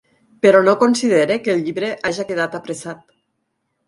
Però no considere que el llibre haja quedat apressat.